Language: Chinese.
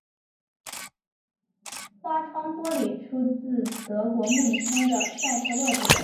花窗玻璃出自德国慕尼黑的赛特勒之手。